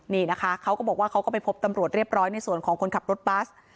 นี่นะคะเขาก็บอกว่าเขาก็ไปพบตำรวจเรียบร้อยในส่วนของคนขับรถบัส